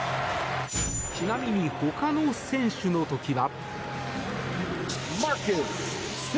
ちなみにほかの選手の時は。